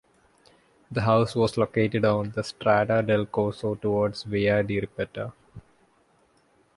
The house was located on the Strada del Corso towards Via di Ripetta.